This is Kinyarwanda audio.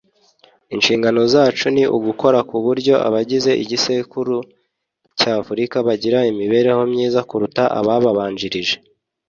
"Inshingano zacu ni ugukora k’uburyo abagize igisekuru cy’Afurika bagira imibereho myiza kuruta abababanjirije